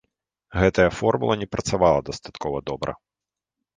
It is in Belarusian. Гэтая формула не працавала дастаткова добра.